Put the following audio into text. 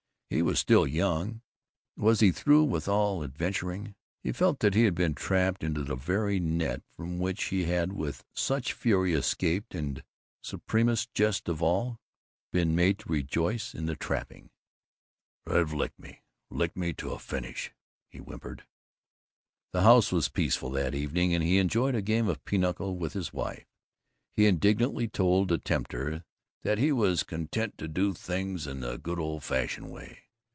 He was still young; was he through with all adventuring? He felt that he had been trapped into the very net from which he had with such fury escaped and, supremest jest of all, been made to rejoice in the trapping. "They've licked me; licked me to a finish!" he whimpered. The house was peaceful, that evening, and he enjoyed a game of pinochle with his wife. He indignantly told the Tempter that he was content to do things in the good old fashioned way.